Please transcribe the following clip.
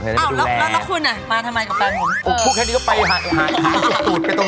อ้าวแล้วคุณอ่ะมาทำไมกับแปลงผม